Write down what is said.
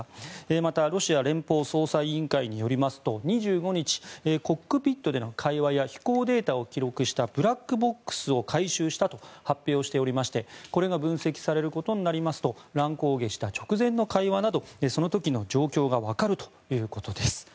また、ロシア連邦捜査委員会によりますと２５日、コックピットでの会話や飛行データを記録したブラックボックスを回収したと発表しておりましてこれが分析されることになりますと乱高下した直前の会話などその時の状況が分かるということです。